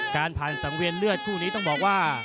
การผ่านสังเวียนเลือดคู่นี้ต้องบอกว่า